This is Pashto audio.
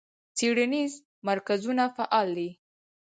څیړنیز مرکزونه فعال دي.